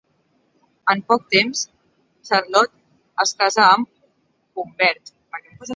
En poc temps, Charlotte es casa amb Humbert.